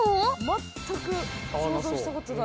全く想像したことない。